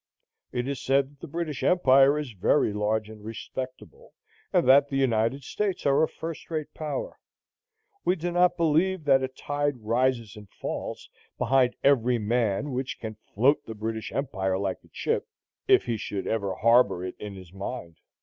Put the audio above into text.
It is said that the British Empire is very large and respectable, and that the United States are a first rate power. We do not believe that a tide rises and falls behind every man which can float the British Empire like a chip, if he should ever harbor it in his mind.